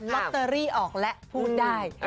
ลอตเตอรี่ออกและพูดได้